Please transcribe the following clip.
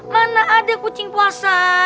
mana ada kucing puasa